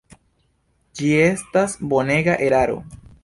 Ĝi estas bonega eraro.